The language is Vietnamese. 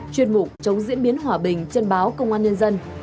chuyên mục chống diễn biến hòa bình trên báo công an nhân dân